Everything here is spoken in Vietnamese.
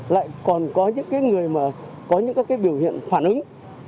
lại còn có những người có những biểu hiện phản ứng